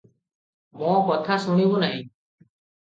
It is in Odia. ମୋ’ କଥା ଶୁଣିବୁ ନାହିଁ?